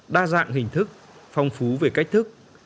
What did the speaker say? đa dạng hình thức phong phú về cách thức